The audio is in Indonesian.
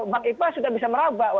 makipa sudah bisa merabak